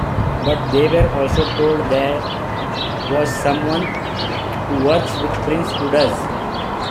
But they were also told there was someone who works with Prince who does.